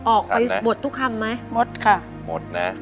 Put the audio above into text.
ออกไปบททุกคำมั้ยหมดค่ะหมดนะ